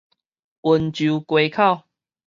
溫州街口